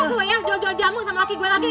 oh soalnya jual jual jamu sama laki laki